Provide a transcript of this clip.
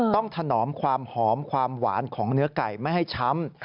ถนอมความหอมความหวานของเนื้อไก่ไม่ให้ช้ำ